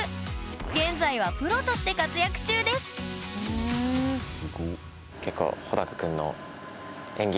現在はプロとして活躍中ですはい。